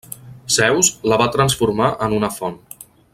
Zeus la va transformar en una font.